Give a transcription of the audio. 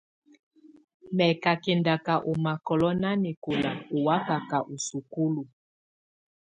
Mɛ̀ kà kɛndaka ù makɔlɔ̀ nanɛkɔ̀la û wakaka ù sukulu.